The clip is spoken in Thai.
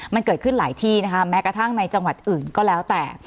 มันเกิดขึ้นหลายที่นะคะแม้กระทั่งในจังหวัดอื่นก็แล้วแต่